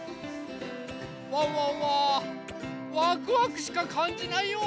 ワンワンはワクワクしかかんじないよ！